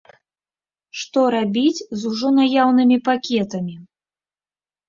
Што рабіць з ужо наяўнымі пакетамі?